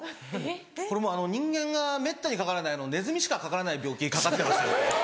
これ人間がめったにかからないネズミしかかからない病気にかかってますね」と。